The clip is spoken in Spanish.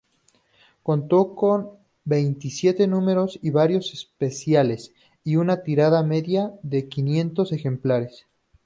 Contó con veintisiete números y varios especiales, y una tirada media de quinientos ejemplares.